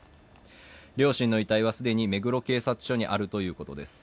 両親の遺体は既に目黒警察署にあるということです。